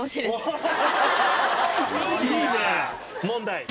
問題。